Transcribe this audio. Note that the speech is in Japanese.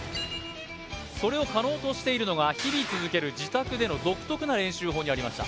それを可能としているのが日々続ける自宅での独特な練習法にありました